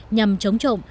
nhằm chống trộm